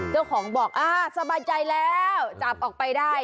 เจ้าของบอกอ่าสบายใจแล้วจับออกไปได้